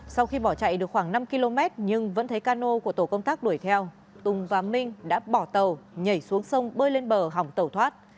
sau khi bỏ chạy được khoảng năm km nhưng vẫn thấy cano của tổ công tác đuổi theo tùng và minh đã bỏ tàu nhảy xuống sông bơi lên bờ hỏng tàu thoát